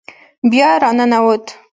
بیا را ننوت.